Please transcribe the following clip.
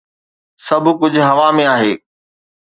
سڀ ڪجهه هوا ۾ آهي.